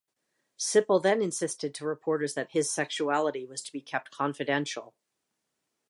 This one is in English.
Sipple then insisted to reporters that his sexuality was to be kept confidential.